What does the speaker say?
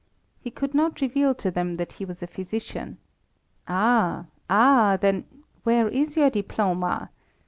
He could not reveal to them that he was a physician. Ah, ah! then where is your diploma?